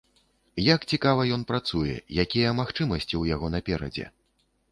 Як цікава ён працуе, якія магчымасці ў яго наперадзе.